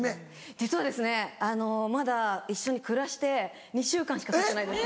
実はまだ一緒に暮らして２週間しかたってないんです。